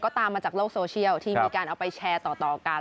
ตามมาจากโลกโซเชียลที่มีการเอาไปแชร์ต่อกัน